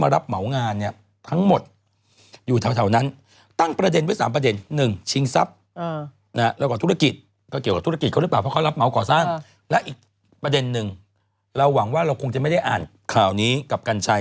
แล้วอีกประเด็นนึงเราหวังว่าเราคงจะไม่ได้อ่านข่าวนี้กับกัญชัย